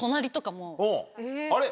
あれ？